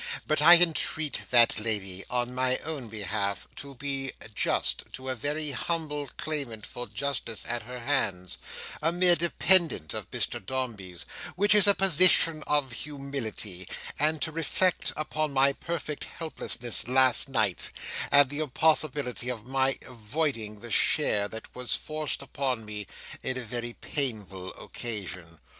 "But I entreat that lady, on my own behalf, to be just to a very humble claimant for justice at her hands—a mere dependant of Mr Dombey's—which is a position of humility; and to reflect upon my perfect helplessness last night, and the impossibility of my avoiding the share that was forced upon me in a very painful occasion."